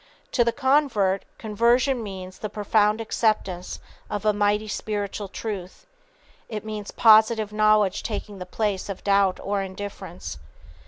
To the convert, conversion means the profound acceptance of a mighty spiritual truth. It means positive knowledge taking the place of doubt or indifference.